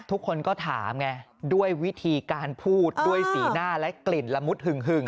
ทุกคนก็ถามไงด้วยวิธีการพูดด้วยสีหน้าและกลิ่นละมุดหึง